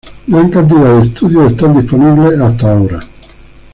Gran cantidad de estudios están disponibles hasta ahora.